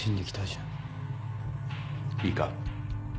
いいか？